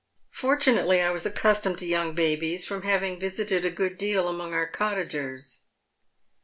Fortunately I was accustomed to young babies, from having visited a good deal among our cottagers."